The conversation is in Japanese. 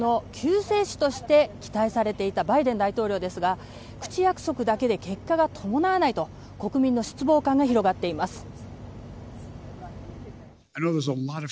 分断のトランプからの救世主として期待されていたバイデン大統領ですが口約束だけで結果が伴わないと国民の失望感が広がっています。